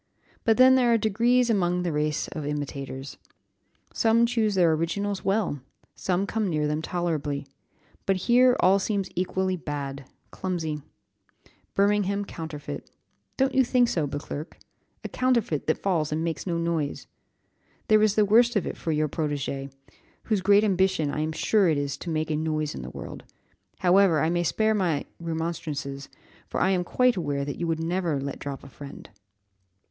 But then there are degrees among the race of imitators. Some choose their originals well, some come near them tolerably; but here, all seems equally bad, clumsy, Birmingham counterfeit; don't you think so, Beauclerc? a counterfeit that falls and makes no noise. There is the worst of it for your protégé, whose great ambition I am sure it is to make a noise in the world. However, I may spare my remonstrances, for I am quite aware that you would never let drop a friend."